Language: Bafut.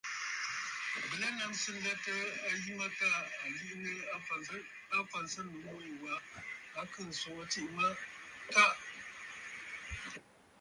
Bɨ lɛ nnaŋsə nlətə a yi mə tâ à liʼinə afǎnsənnǔ mû yì wa, a kɨɨ̀ ǹswoŋə tsiʼì mə “Kaʼa!”.